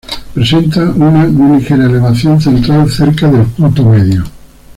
Presenta una muy ligera elevación central cerca del punto medio.